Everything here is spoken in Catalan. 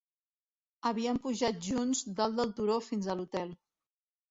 Havien pujat junts dalt del turó fins a l'hotel.